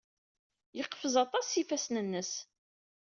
Yeqfez aṭas s yifassen-nnes.